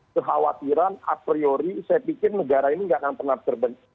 kekhawatiran a priori saya pikir negara ini gak akan pernah terbentuk